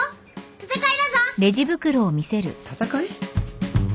戦い？